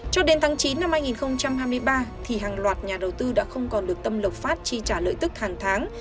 cho đến tháng chín năm hai nghìn hai mươi ba thì hàng loạt nhà đầu tư đã không còn được tâm lộc phát chi trả lợi tức hàng tháng